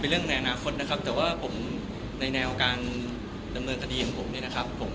เป็นเรื่องในอนาคตแต่ว่าในเนวการดำเนินคดีของผม